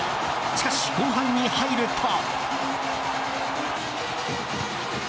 しかし、後半に入ると。